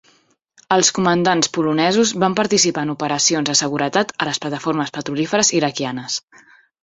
Els comandaments polonesos van participar en operacions de seguretat a les plataformes petrolíferes iraquianes.